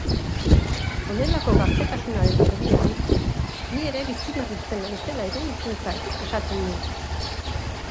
Honelako gaztetasunaren erdian, ni ere biziberritzen naizela iruditzen zait, esaten du.